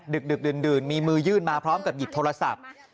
ดึกดื่นมีมือยื่นมาพร้อมกับหยิบโทรศัพท์